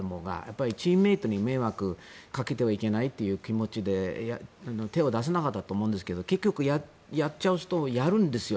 チームメートに迷惑をかけてはいけないという気持ちで手を出せなかったと思うんですが結局やっちゃう人はやるんですよ